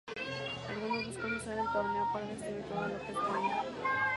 Algunos buscan usar el torneo para destruir todo lo que es bueno.